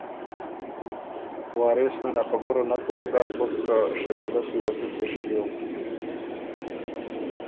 وارث مېن ا خبُره نک پُورۀ داک بُک که شکیله کی وه پِکِر ݭیوک